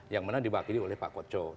yang mana dibagi oleh pak kocok